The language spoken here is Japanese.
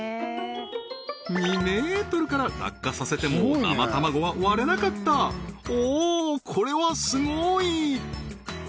２ｍから落下させても生卵は割れなかったおおこれはすごい！